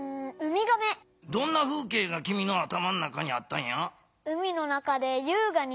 どんなふうけいがきみの頭の中にあったんや？